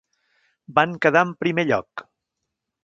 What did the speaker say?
Van quedar en primer lloc.